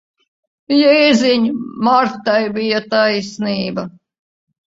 Jēziņ! Martai bija taisnība.